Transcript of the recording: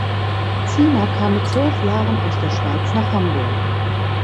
Ziemer kam mit zwölf Jahren aus der Schweiz nach Hamburg.